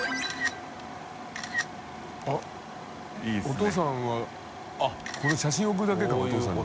お父さんはこの写真送るだけかお父さんに。